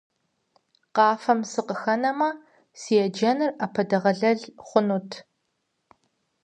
Къафэм сыкъыхэнэмэ, си еджэныр Ӏэпэдэгъэлэл хъунут.